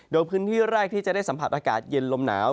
โดยพื้นที่แรกที่จะได้สัมผัสอากาศเย็นลมหนาว